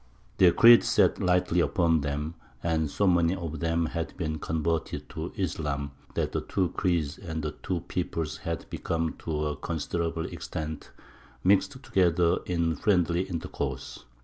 Their creed sat lightly upon them, and so many of them had been converted to Islam, that the two creeds and the two peoples had become to a considerable extent mixed together in friendly intercourse.